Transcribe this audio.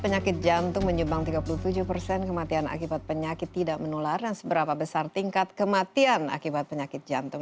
penyakit jantung menyumbang tiga puluh tujuh persen kematian akibat penyakit tidak menular dan seberapa besar tingkat kematian akibat penyakit jantung